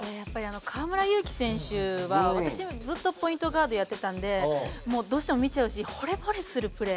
河村勇輝選手は私、ずっとポイントガードやってたんでどうしても見ちゃうしほれぼれするプレー。